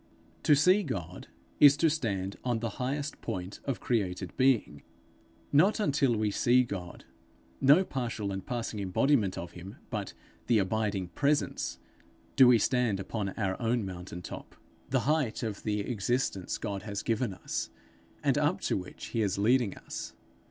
To see God is to stand on the highest point of created being. Not until we see God no partial and passing embodiment of him, but the abiding presence do we stand upon our own mountain top, the height of the existence God has given us, and up to which he is leading us.